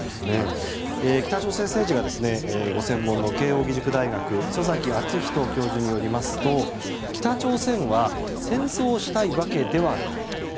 北朝鮮政治がご専門の慶應義塾大学の礒崎敦仁教授によりますと北朝鮮は戦争をしたいわけではないと。